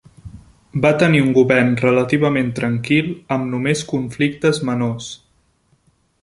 Va tenir un govern relativament tranquil amb només conflictes menors.